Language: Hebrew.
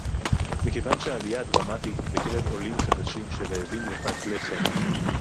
מכיוון שהעלייה הדרמטית היא בקרב עולים חדשים שרעבים לפת לחם